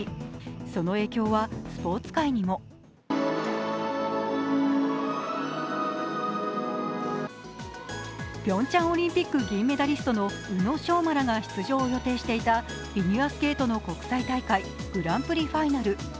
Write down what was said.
その影響はスポ−ツ界にもピョンチャンオリンピック銀メダリストの宇野昌磨らが出場を予定していたフィギュアスケートの国際大会、グランプリファイナル。